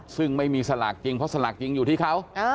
ซึ่งไม่มีสลากจริงเพราะสลากจริงอยู่ที่เขา